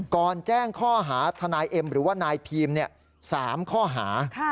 แจ้งข้อหาทนายเอ็มหรือว่านายพีม๓ข้อหา